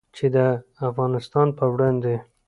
چې د افغانستان په وړاندې